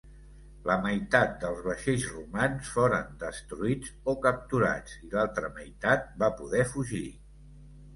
La meitat dels vaixells romans foren destruïts o capturats i l'altra meitat va poder fugir.